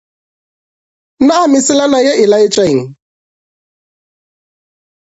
Na meselana ye e laetša eng?